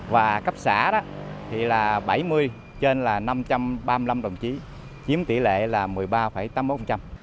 và cấp xã thì là bảy mươi trên là năm trăm ba mươi năm đồng chí chiếm tỷ lệ là một mươi ba tám mươi một